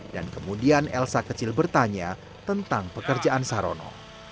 dan kemudian elsa kecil bertanya tentang pekerjaan sarono